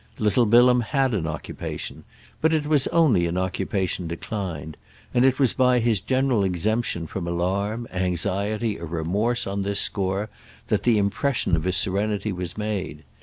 Little Bilham had an occupation, but it was only an occupation declined; and it was by his general exemption from alarm, anxiety or remorse on this score that the impression of his serenity was made.